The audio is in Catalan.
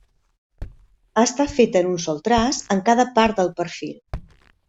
Està feta amb un sol traç en cada part del perfil.